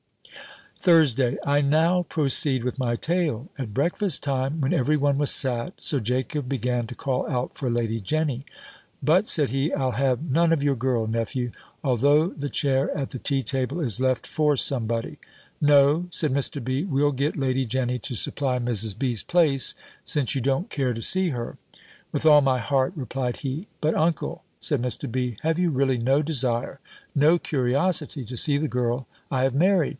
THURSDAY. I now proceed with my tale. At breakfast time, when every one was sat, Sir Jacob began to call out for Lady Jenny. "But," said he, "I'll have none of your girl, nephew: although the chair at the tea table is left for somebody." "No," said Mr. B., "we'll get Lady Jenny to supply Mrs. B.'s place, since you don't care to see her." "With all my heart," replied he. "But, uncle," said Mr. B., "have you really no desire, no curiosity to see the girl I have married?"